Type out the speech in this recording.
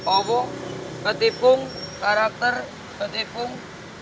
owo ketipung karakter ketipung